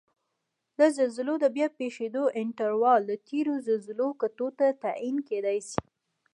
د زلزلو د بیا پېښیدو انټروال د تېرو زلزلو کتو ته تعین کېدای شي